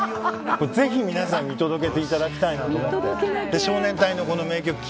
ぜひ皆さん見届けていただきたいなと思って。